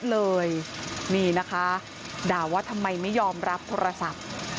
เลยนะคะนี่นะคะด่าว่าทำไมไม่ยอมรับโทรศัพท์